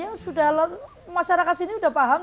ya sudah masyarakat sini sudah paham